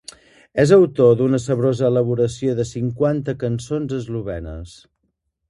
És autor d'una saborosa elaboració de cinquanta cançons eslovenes.